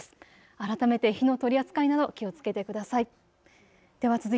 改めて火の取り扱いなど気をつけてください。